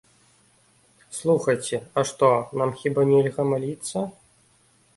Слухайце, а што, нам хіба нельга маліцца?